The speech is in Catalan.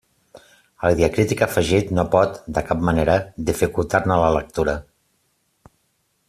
El diacrític afegit, no pot, de cap manera, dificultar-ne la lectura.